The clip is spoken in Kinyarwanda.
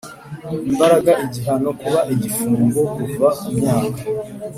imbaraga igihano kiba igifungo kuva ku myaka